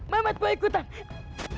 memet gue ikutan